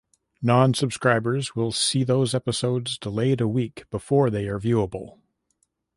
Non-subscribers will see those episodes delayed a week before they are viewable.